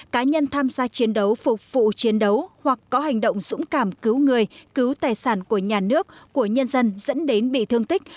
cá nhân tham gia chiến đấu phục vụ chiến đấu hoặc có hành động dũng cảm cứu người cứu tài sản của nhà nước của nhân dân dẫn đến bị thương tích